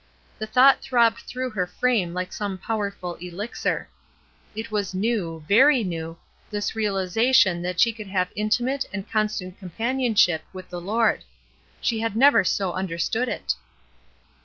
The thought throbbed through her frame hke some powerful elixir. It was new, very new, — this reahzation that she could have mtimate and constant companionship with the Lord. She had never so understood it.